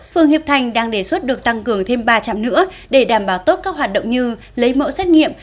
phường hiệp thành đang đề xuất được tăng cường thêm ba trạm nữa để đảm bảo tốt các hoạt động như lấy mẫu xét nghiệm